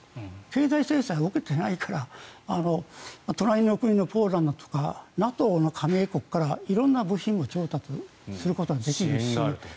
経済制裁を受けていないから隣の国のポーランドとかＮＡＴＯの加盟国から色んな部品を調達することができるんです。